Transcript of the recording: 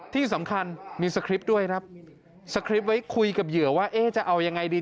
ที่สำคัญมีสคริปต์ด้วยครับสคริปต์ไว้คุยกับเหยื่อว่าเอ๊ะจะเอายังไงดี